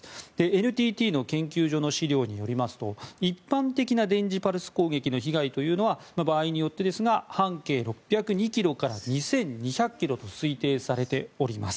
ＮＴＴの研究所の資料によりますと一般的な電磁パルス攻撃の被害というのは場合によってですが半径６０２ｋｍから２２００ｋｍと推定されております。